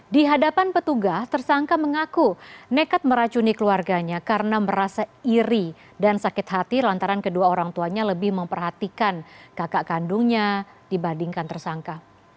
di hadapan petugas tersangka mengaku nekat meracuni keluarganya karena merasa iri dan sakit hati lantaran kedua orang tuanya lebih memperhatikan kakak kandungnya dibandingkan tersangka